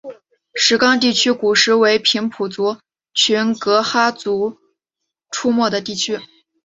石冈地区古时为平埔族群噶哈巫族出没的地区。